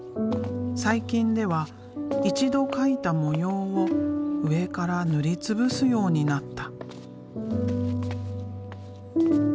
最近では一度描いた模様を上から塗り潰すようになった。